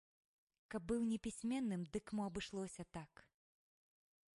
Каб быў непісьменным, дык мо абышлося так.